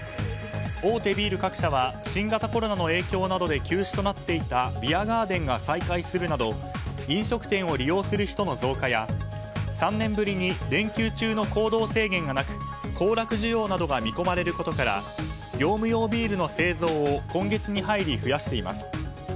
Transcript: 大手ビール各社は新型コロナの影響などで休止となっていたビアガーデンが再開するなど飲食店を利用する人の増加や３年ぶりに連休中の行動制限がなく行楽需要などが見込まれることから業務用ビールの製造を今月に入り増やしています。